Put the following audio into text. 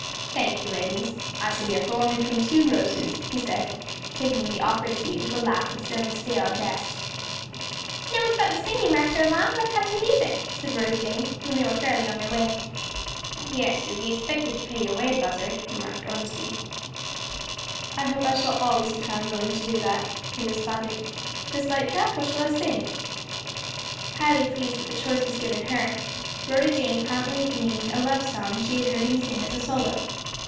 "Thank you, ladies. I shall be a thorn between two roses," he said, taking the offered seat with a laugh at his own stale jest. "Now we've got the singing master along, let's have some music," said Rhoda Jane, when they were fairly on their way. "Yes, you'll be expected to pay your way Buzzard," remarked Ormsby. "I hope I'll always be found willing to do that," he responded. "Miss Lightcap, what shall I sing?" Highly pleased that the choice was given her, Rhoda Jane promptly named a love song she had heard him sing as a solo.